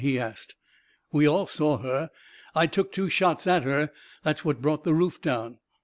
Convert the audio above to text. " he asked. "We all saw her. I took two shots at her. That's what brought the roof down."